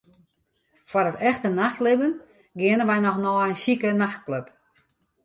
Foar it echte nachtlibben geane wy noch nei in sjike nachtklup.